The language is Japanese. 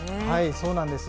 そうなんです。